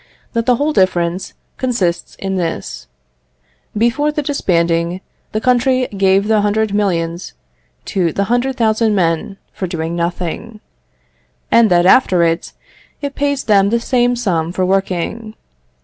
That the whole difference consists in this: before the disbanding, the country gave the hundred millions to the hundred thousand men for doing nothing; and that after it, it pays them the same sum for working.